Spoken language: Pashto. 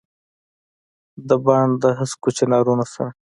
دبڼ دهسکو چنارونو سره ،